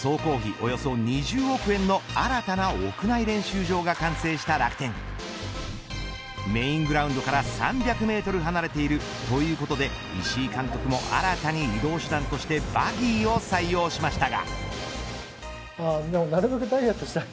およそ２０億円の新たな屋内練習場が完成した楽天メーングラウンドから３００メートル離れているということで石井監督も新たに移動手段としてバギーを採用しましたが。